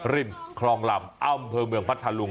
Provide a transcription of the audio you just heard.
ริมคลองลำอำเภอเมืองพัทธลุง